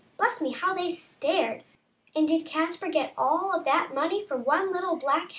Bless me, how they stared! And did Caspar get all of that money for one little black hen?